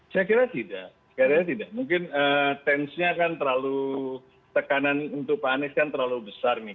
saya kira tidak mungkin tence nya kan terlalu tekanan untuk pak anies kan terlalu besar nih